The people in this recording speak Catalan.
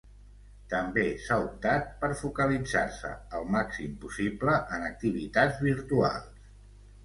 També s'ha optat per focalitzar-se el màxim possible en activitats virtuals.